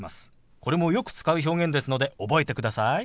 これもよく使う表現ですので覚えてください。